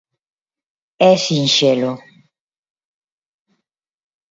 É sinxelo.